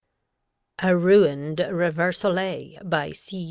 A RUINED REVERSOLET by C.